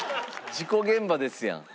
事故現場ですやん。